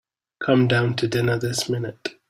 Come down to dinner this minute.